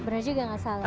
bener juga gak salah